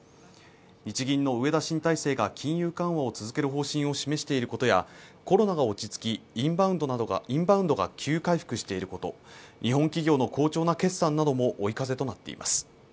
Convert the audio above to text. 日銀の植田新体制が金融緩和を続ける方針を示していることや、コロナが落ち着き、インバウンドが急回復していること日本企業の好調な決算なども追い風となっています。